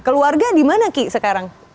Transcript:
keluarga dimana aki sekarang